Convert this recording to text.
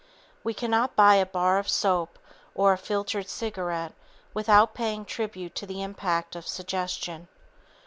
We cannot buy a bar of soap or a filtered cigarette without paying tribute to the impact of suggestion.